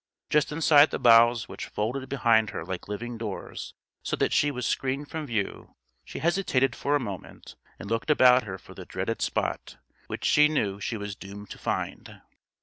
Just inside the boughs which folded behind her like living doors so that she was screened from view, she hesitated for a moment and looked about her for the dreaded spot which she knew she was doomed to find.